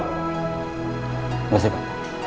terima kasih pak